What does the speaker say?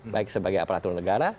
baik sebagai aparatur negara